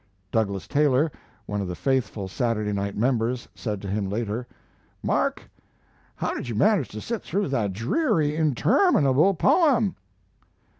Douglas Taylor, one of the faithful Saturday night members, said to him later: "Mark, how did you manage to sit through that dreary, interminable poem?"